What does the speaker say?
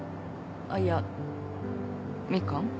あっいやミカン？